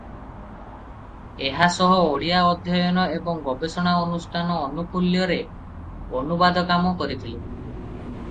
ଏହା ସହ ଓଡ଼ିଆ ଅଧ୍ୟୟନ ଏବଂ ଗବେଷଣା ଅନୁଷ୍ଠାନ ଆନୁକୁଲ୍ୟରେ ଅନୁବାଦ କାମ କରିଥିଲେ ।